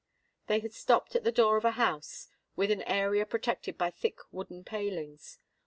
They had stopped at the door of a house with an area protected by thick wooden palings.